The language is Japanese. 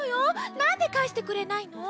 なんでかえしてくれないの？